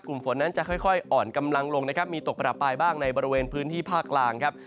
ฝนนั้นจะค่อยอ่อนกำลังลงนะครับมีตกประปายบ้างในบริเวณพื้นที่ภาคกลางครับ